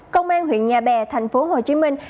công an huyện nhà bè tp hcm